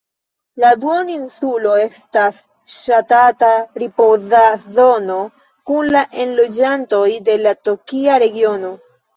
La duoninsulo estas ŝatata ripoza zono por la enloĝantoj de la tokia regiono.